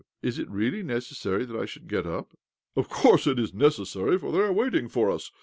Is it really necessary that I should get up ?"" Of course it is necessary, for they are waiting for us.